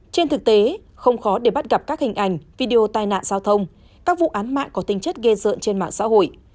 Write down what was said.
trên thực tế không khó để bắt gặp các hình ảnh video tai nạn giao thông các vụ án mạng có tinh chất ghe rợn trên mạng xã hội